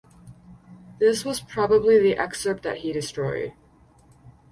This was probably the excerpt that he destroyed.